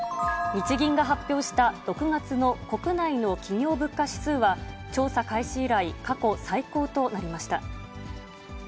日銀が発表した６月の国内の企業物価指数は、調査開始以来、過去最高となりました。